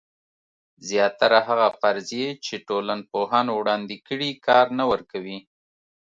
زیاتره هغه فرضیې چې ټولنپوهانو وړاندې کړي کار نه ورکوي.